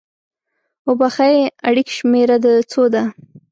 اوبښئ! اړیکې شمیره د څو ده؟